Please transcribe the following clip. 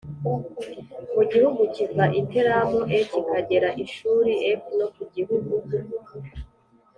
mu gihugu kiva i Telamu e kikagera i Shuri f no ku gihugu